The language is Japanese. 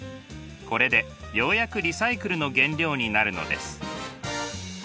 これでようやくリサイクルの原料になるのです。